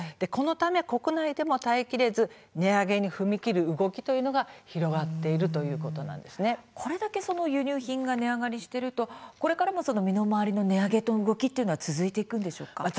このため国内でも耐えきれず値上げに踏み切る動きがこれだけ輸入品が値上がりしているとこれからの身の回りの値上げの動きが続いていくんでしょうか？